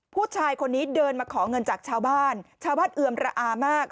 ผู้ชายคนนี้เดินมาขอเงินจากชาวบ้านชาวบ้านเอือมระอามาก